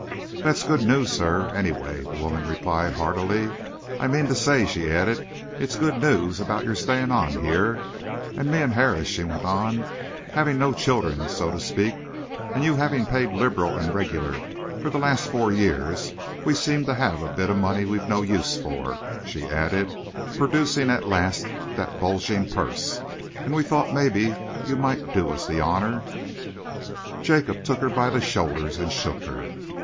"That's good news, sir, anyway," the woman replied heartily. "I mean to say," she added, "it's good news about your staying on here. And me and Harris," she went on, "having no children, so to speak, and you having paid liberal and regular for the last four years, we seem to have a bit of money we've no use for," she added, producing at last that bulging purse, "and we thought maybe you might do us the honour " Jacob took her by the shoulders and shook her.